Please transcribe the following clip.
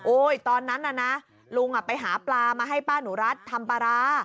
ตอนนั้นน่ะนะลุงไปหาปลามาให้ป้าหนูรัฐทำปลาร้า